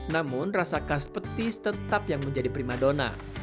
namun rasa khas petis tetap yang menjadi prima dona